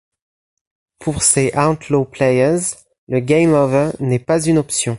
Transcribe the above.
Pour ces “Outlaw Players”, le game over n’est pas une option.